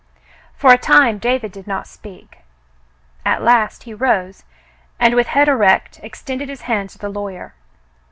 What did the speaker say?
For a time David did not speak. At last he rose and, with head erect, extended his hand to the lawyer.